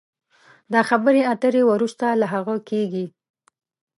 دا خبرې اترې وروسته له هغه کېږي